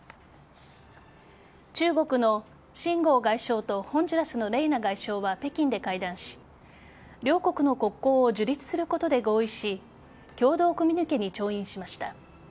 中国のシン・ゴウ外相とホンジュラスのレイナ外相は北京で会談し両国の国交を樹立することで合意し共同コミュニケに調印しました。